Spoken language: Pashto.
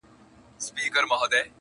شپې په برخه سوې د غلو او د بمانو.!